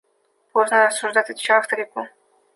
– Поздно рассуждать, – отвечал я старику.